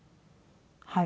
はい。